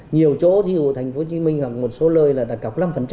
nhiều chỗ thí dụ thành phố hồ chí minh hoặc một số lơi là đặt cọc năm